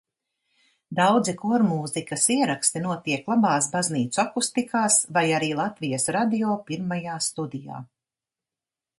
Daudzi kormūzikas ieraksti notiek labās baznīcu akustikās vai arī Latvijas Radio pirmajā studijā.